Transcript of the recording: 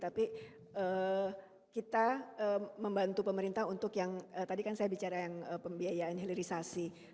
tapi kita membantu pemerintah untuk yang tadi kan saya bicara yang pembiayaan hilirisasi